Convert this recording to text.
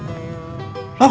iya pak ustadz